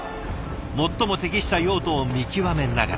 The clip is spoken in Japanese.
最も適した用途を見極めながら。